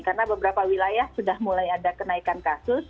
karena beberapa wilayah sudah mulai ada kenaikan kasus